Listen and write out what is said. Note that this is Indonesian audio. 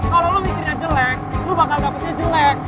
kalo lo mikirnya jelek lo bakal takutnya jelek